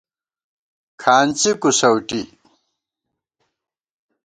کھانڅی کُوسَؤٹی